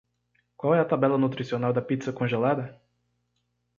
Qual é a tabela nutricional da pizza congelada?